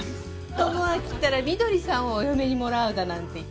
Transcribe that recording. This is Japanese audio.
智明ったら翠さんをお嫁に貰うだなんて言って。